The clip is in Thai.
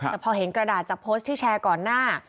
แต่พอเห็นกระดาษจากโพสต์ที่แชร์ก่อนหน้า